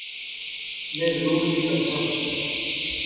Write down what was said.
میں ضرور کی کرساں